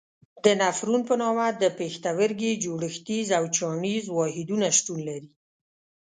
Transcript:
د نفرون په نامه د پښتورګي جوړښتیز او چاڼیز واحدونه شتون لري.